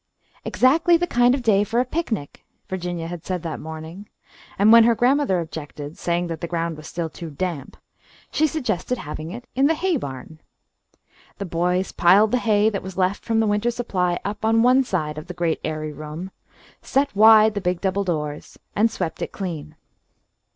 "Exactly the kind of a day for a picnic," Virginia had said that morning, and when her grandmother objected, saying that the ground was still too damp, she suggested having it in the hay barn. The boys piled the hay that was left from the winter's supply up on one side of the great airy room, set wide the big double doors, and swept it clean.